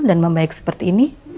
dan membaik seperti ini